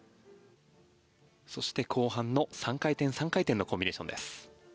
そして後半の３回転、３回転のコンビネーションです。